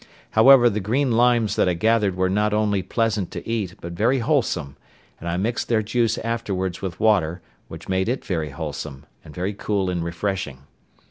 However, the green limes that I gathered were not only pleasant to eat, but very wholesome; and I mixed their juice afterwards with water, which made it very wholesome, and very cool and refreshing.